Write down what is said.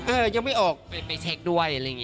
ยังไม่ออกไปเช็คด้วยอะไรอย่างนี้